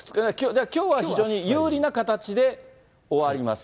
きょうは非常に有利な形で終わります。